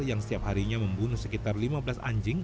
yang setiap harinya membunuh sekitar lima belas anjing